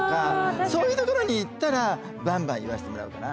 そういう所に行ったらバンバン言わせてもらおうかな。